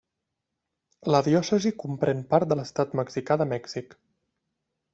La diòcesi comprèn part de l'estat mexicà de Mèxic.